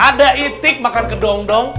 ada itik makan kedong dong